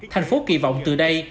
thành phố kỳ vọng từ đây